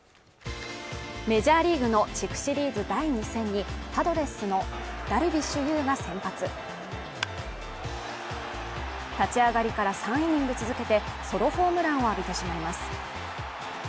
メジャーリーグの地区シリーズ第２戦にパドレスのダルビッシュ有が先発立ち上がりから３イニング続けてソロホームランを浴びてしまいます